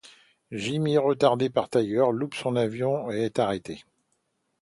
Jimmy, retardé par Tiger, loupe son avion et est arrêté.